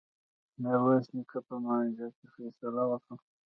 میرويس نیکه په مانجه کي فيصله وکړه.